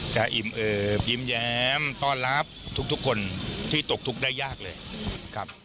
อิ่มเอิบยิ้มแย้มต้อนรับทุกคนที่ตกทุกข์ได้ยากเลยครับ